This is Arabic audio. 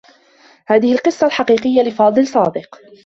هذه القصّة الحقيقيّة لفاضل صادق.